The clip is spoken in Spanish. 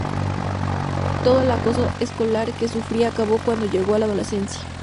Todo el acoso escolar que sufría acabó cuando llegó a la adolescencia.